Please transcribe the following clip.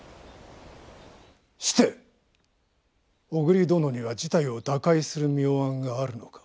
して小栗殿には事態を打開する妙案があるのか。